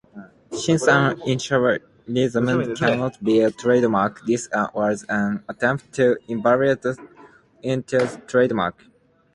Since an initialism cannot be trademarked, this was an attempt to invalidate Intel's trademark.